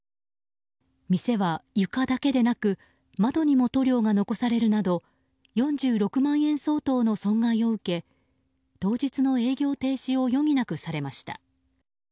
店は床だけでなく窓にも塗料が残されるなど４６万円相当の損害を受け当日の営業停止を余儀なくされました。